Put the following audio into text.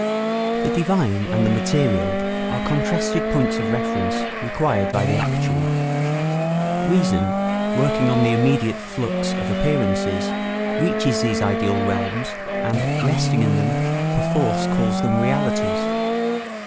] The divine and the material are contrasted points of reference required by the actual. Reason, working on the immediate flux of appearances, reaches these ideal realms and, resting in them, perforce calls them realities.